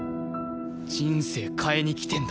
人生変えに来てんだよ。